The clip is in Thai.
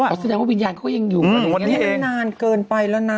อันสัยว่าวิญญาณเขายังอยู่นี่นานเกินไปแล้วนะ